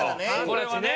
これはね。